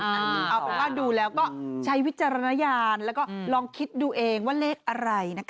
เอาเป็นว่าดูแล้วก็ใช้วิจารณญาณแล้วก็ลองคิดดูเองว่าเลขอะไรนะคะ